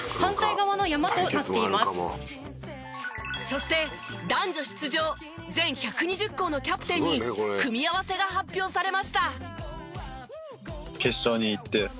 そして男女出場全１２０校のキャプテンに組み合わせが発表されました。